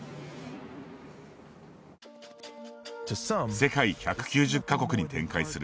世界１９０か国に展開する